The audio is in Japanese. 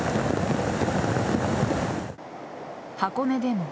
箱根でも。